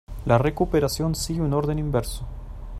La recuperación sigue un orden inverso.